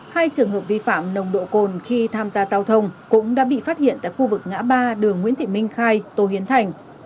hai trường hợp vi phạm nồng độ cồn khi tham gia giao thông cũng đã bị phát hiện tại khu vực ngã ba đường nguyễn thị minh khai tô hiến thành